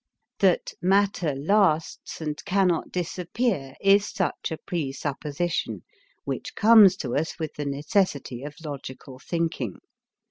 That matter lasts and cannot disappear is such a presupposition, which comes to us with the necessity of logical thinking.